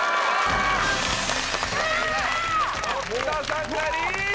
堀田さんがリーチ！